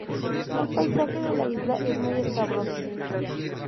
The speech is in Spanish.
El paisaje de la isla es muy escabroso.